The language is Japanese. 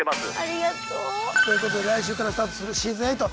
ありがとう。ということで来週からスタートするシーズン８。